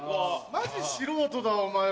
マジ素人だお前ら。